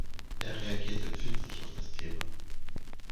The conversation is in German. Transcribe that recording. Er reagiert empfindlich auf das Thema.